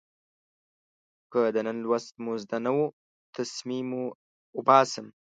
که د نن لوست مو زده نه و، تسمې مو اوباسم.